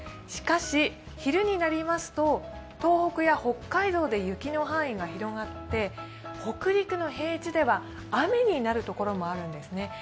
しかし、昼になりますと東北や北海道で雪の範囲が広がって北陸の平地では雨になるところもあるんですね。